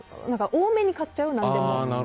多めに買っちゃう、何でも。